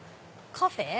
カフェ？